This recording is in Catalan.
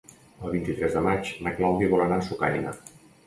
El vint-i-tres de maig na Clàudia vol anar a Sucaina.